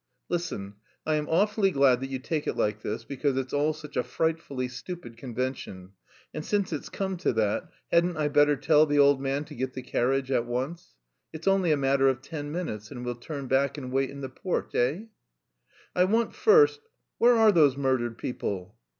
"Listen. I am awfully glad that you take it like this, because it's all such a frightfully stupid convention, and since it's come to that, hadn't I better tell the old man to get the carriage at once. It's only a matter of ten minutes and we'll turn back and wait in the porch, eh?" "I want first... where are those murdered people?"